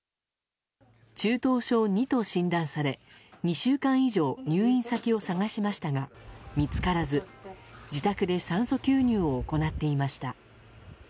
中等症２と診断され２週間以上入院先を探しましたが見つからず自宅で酸素吸入を行っていました。